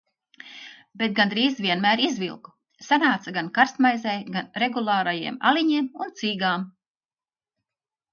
Bet gandrīz vienmēr izvilku, sanāca gan karstmaizei, gan regulārajiem aliņiem un cīgām.